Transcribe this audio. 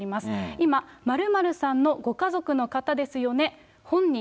今、○○さんのご家族の方ですよね？